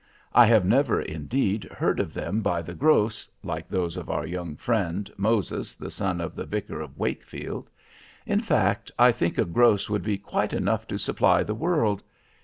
I have never, indeed, heard of them by the gross, like those of our young friend, Moses, the son of the Vicar of Wakefield. In fact, I think a gross would be quite enough to supply the world.